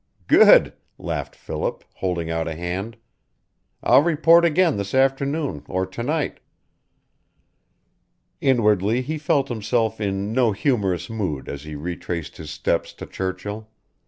"Good!" laughed Philip, holding out a hand. "I'll report again this afternoon or to night." Inwardly he felt himself in no humorous mood as he retraced his steps to Churchill.